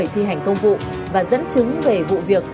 thi hành công vụ và dẫn chứng về vụ việc